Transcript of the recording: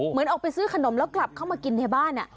เหมือนออกไปซื้อขนมแล้วกลับเข้ามากินในบ้าน